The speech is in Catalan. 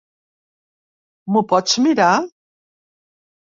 M'ho pots mirar?